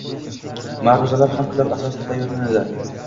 Ma’ruzalar ham kitob asosida tayyorlanadi.